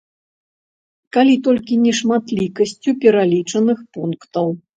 Калі толькі нешматлікасцю пералічаных пунктаў.